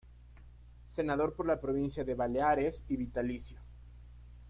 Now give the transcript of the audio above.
Senador por la provincia de Baleares y vitalicio.